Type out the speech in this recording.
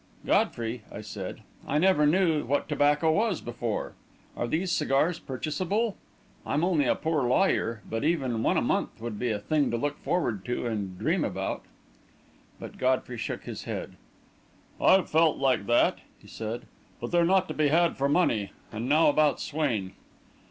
"Godfrey," I said, "I never knew what tobacco was before. Are these cigars purchasable? I'm only a poor lawyer, but even one a month would be a thing to look forward to and dream about." But Godfrey shook his head. "I've felt like that," he said; "but they're not to be had for money. And now about Swain."